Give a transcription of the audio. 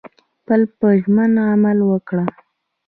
خپل په ژمنه عمل وکړه